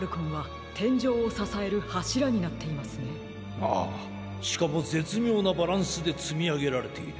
ああしかもぜつみょうなバランスでつみあげられている。